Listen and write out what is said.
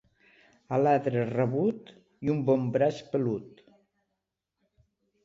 Aladre rabut i un bon braç pelut.